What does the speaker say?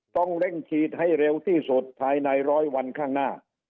ต้องเร่งฉีดให้เร็วที่สุดภายในร้อยวันข้างหน้า